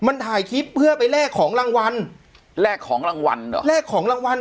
มันถ่ายคลิปเพื่อไปแลกของรางวัลแลกของรางวัลเหรอแลกของรางวัล